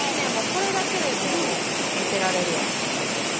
これだけでもう見てられるわ。